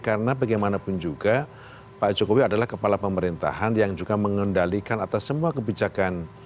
karena bagaimanapun juga pak jokowi adalah kepala pemerintahan yang juga mengendalikan atas semua kebijakan